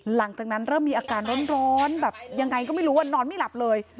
หลังจากนั้นเริ่มมีอาการร้อนแบบยังไงก็ไม่รู้ว่านอนไม่หลับเลย